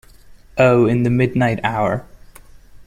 Oh, in the midnight hour.